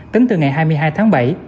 tính từ ngày hai mươi hai tháng bảy